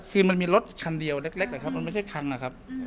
คือมันมีรถคันเดียวเล็กแหละครับมันไม่ใช่คันนะครับ